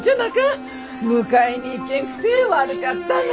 迎えに行けんくて悪かったな。